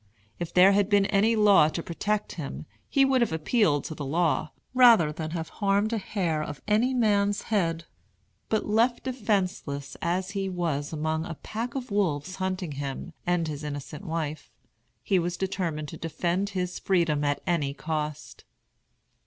If there had been any law to protect him, he would have appealed to the law, rather than have harmed a hair of any man's head; but left defenceless as he was among a pack of wolves hunting him and his innocent wife, he was determined to defend his freedom at any cost.